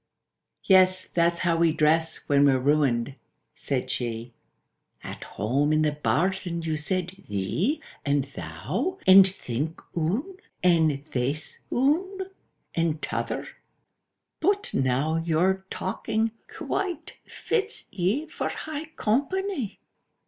— "Yes: that's how we dress when we're ruined," said she. —"At home in the barton you said 'thee' and 'thou,' And 'thik oon,' and 'theäs oon,' and 't'other'; but now Your talking quite fits 'ee for high compa ny!"